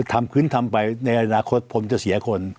ทำขึ้นทำไปในอนาคตผมจะเสียคน